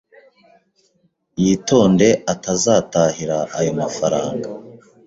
Yitonde Atazatahira Ayo Mafaranga